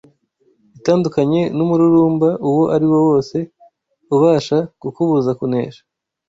Itandukanye n’umururumba uwo ariwo wose ubasha kukubuza kunesha.